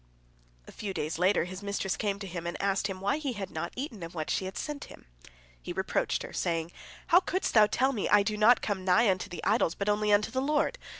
A few days later his mistress came to him, and asked him why he had not eaten of what she had sent him. He reproached her, saying, "How couldst thou tell me, I do not come nigh unto the idols, but only unto the Lord?